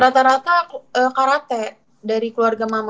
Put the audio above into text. rata rata karate dari keluarga mama